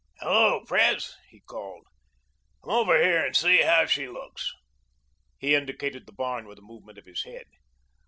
"Hello, Pres," he called. "Come over here and see how she looks;" he indicated the barn with a movement of his head.